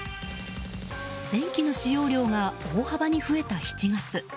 電気の使用量が大幅に増えた７月。